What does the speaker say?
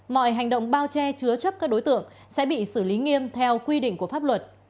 mọi hành động bao che chứa chấp các đối tượng sẽ bị xử lý nghiêm theo quy định của pháp luật